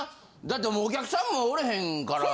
だってお客さんもおれへんから。